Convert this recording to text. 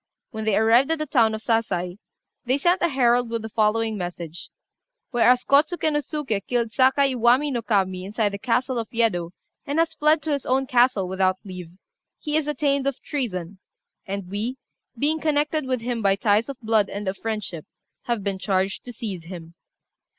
When they arrived at the town of Sasai, they sent a herald with the following message "Whereas Kôtsuké no Suké killed Sakai Iwami no Kami inside the castle of Yedo, and has fled to his own castle without leave, he is attainted of treason; and we, being connected with him by ties of blood and of friendship, have been charged to seize him."